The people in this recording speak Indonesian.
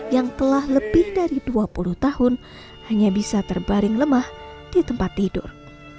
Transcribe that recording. yang telah lebih dari dua puluh tahun hanya bisa terbaring lemah di tempat tidur